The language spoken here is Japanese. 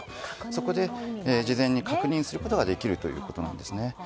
そこで、事前に確認することができるということです。